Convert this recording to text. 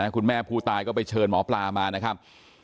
คุณแม่ผู้ตายก็ไปเชิญหมอปลามานะครับ